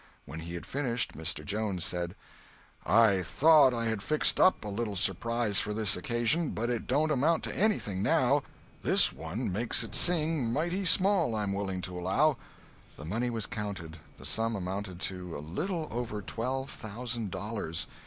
When he had finished, Mr. Jones said: "I thought I had fixed up a little surprise for this occasion, but it don't amount to anything now. This one makes it sing mighty small, I'm willing to allow." The money was counted. The sum amounted to a little over twelve thousand dollars.